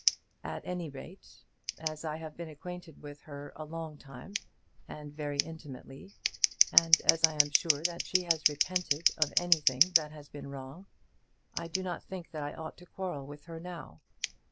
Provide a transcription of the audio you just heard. At any rate, as I have been acquainted with her a long time, and very intimately, and as I am sure that she has repented of anything that has been wrong, I do not think that I ought to quarrel with her now.